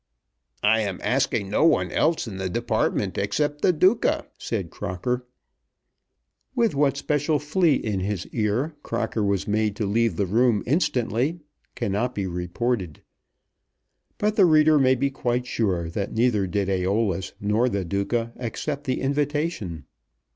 "I am asking no one else in the Department except the Duca," said Crocker. With what special flea in his ear Crocker was made to leave the room instantly cannot be reported; but the reader may be quite sure that neither did Æolus nor the Duca accept the invitation.